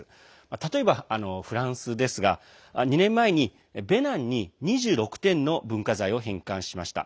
例えば、フランスですが２年前にベナンに２６点の文化財を返還しました。